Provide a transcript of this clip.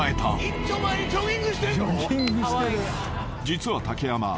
［実は竹山。